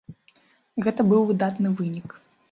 Гэта быў выдатны вынік.